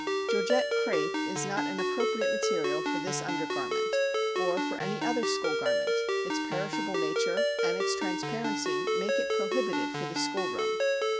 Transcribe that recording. Georgette crêpe is not an appropriate material for this undergarment or for any other school garment. Its perishable nature and its transparency make it prohibited for the school room.